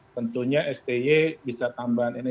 tentunya stj bisa tambahan ini